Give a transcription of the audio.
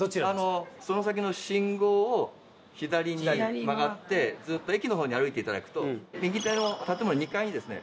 その先の信号を左に曲がってずっと駅の方に歩いていただくと右手の建物の２階にですね